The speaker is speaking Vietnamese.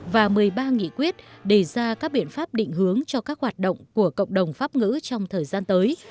và một mươi ba nghị quyết đề ra các biện pháp định hướng cho các hoạt động của cộng đồng pháp ngữ trong thời gian tới